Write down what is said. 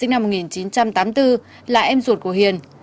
hoàng kiên hạnh sinh năm một nghìn chín trăm tám mươi bốn là em ruột của hiền